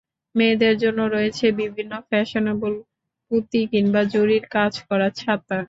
মেয়েদের জন্য রয়েছে বিভিন্ন ফ্যাশনেবল পুঁতি কিংবা জরির কাজ করা ছাতা।